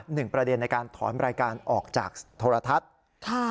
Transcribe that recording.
หนึ่งประเด็นในการถอนรายการออกจากโทรทัศน์ค่ะ